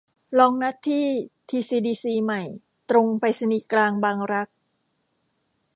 ลองนัดที่ทีซีดีซีใหม่ ตรงไปรษณีย์กลาง บางรัก